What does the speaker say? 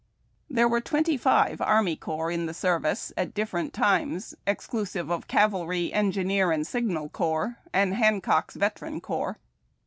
There were twenty five army corps in the service, at different times, exclusive of cavalry, engineer, and signal corps, and Hancock's veteran corps.